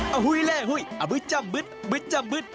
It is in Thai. อ้าวฮุยแล้วอ้าวบึ๊ดจ้ำบึ๊ดบึ๊ดจ้ำบึ๊ด